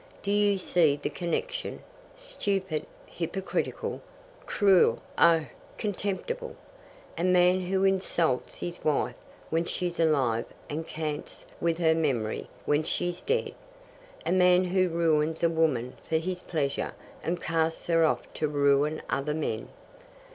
Do you see the connection? Stupid, hypocritical, cruel oh, contemptible! a man who insults his wife when she's alive and cants with her memory when she's dead. A man who ruins a woman for his pleasure, and casts her off to ruin other men.